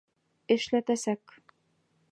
Эшләтәсәк!